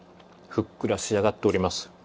ふっくら仕上がっております。